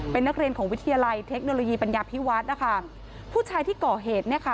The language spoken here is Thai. เป็นนักเรียนของวิทยาลัยเทคโนโลยีปัญญาพิวัฒน์นะคะผู้ชายที่ก่อเหตุเนี่ยค่ะ